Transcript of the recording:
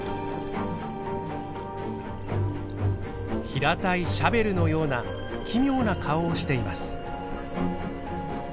平たいシャベルのような奇妙な顔をしています。